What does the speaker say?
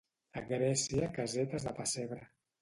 A Gràcia, casetes de pessebre